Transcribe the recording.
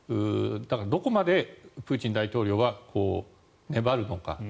どこまでプーチン大統領は粘るのか。